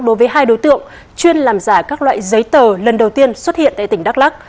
đối với hai đối tượng chuyên làm giả các loại giấy tờ lần đầu tiên xuất hiện tại tỉnh đắk lắc